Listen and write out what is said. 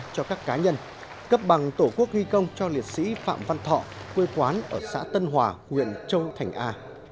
cho các cá nhân cấp bằng tổ quốc ghi công cho liệt sĩ phạm văn thọ quê quán ở xã tân hòa huyện châu thành a